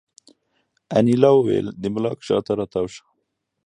انیلا وویل چې د بلاک شا ته را تاو شه